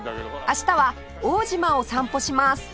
明日は大島を散歩します